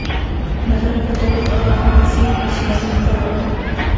د غره په ډډه کې بهاند سیند اسماني ښکارېده.